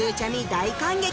大感激